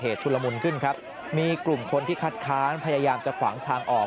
ชุลมุนขึ้นครับมีกลุ่มคนที่คัดค้านพยายามจะขวางทางออก